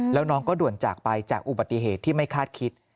แล้วน้องก็ด่วนจากไปจากอุบัติเหตุที่ไม่คาดคิด